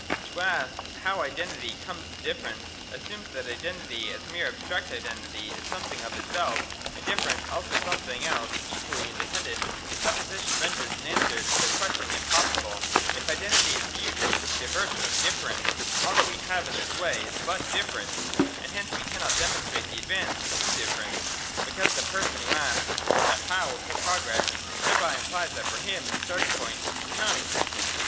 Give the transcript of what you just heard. To ask, ' How Identity comes to Difference,' assumes that Identity as mere abstract Identity is something of itself, and Difference also something else equally inde pendent. This supposition renders an answer to the question impossible. If Identity is viewed as diverse from Difference, all that we have in this way is but Difference ; and hence we cannot demonstrate the advance to difference, because the person who asks for the How of the progress 2x6 THE DOCTRINE OF ESSENCE. [116,117 thereby implies that for him the starting point is non existent.